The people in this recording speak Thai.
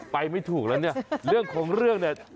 ไปไม่ถูกแล้วเรื่องของเรื่อง